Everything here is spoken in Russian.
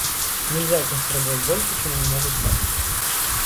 Нельзя от них требовать больше, чем они могут дать.